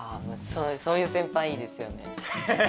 そういう先輩いいですよね。